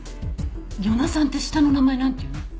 与那さんって下の名前何ていうの？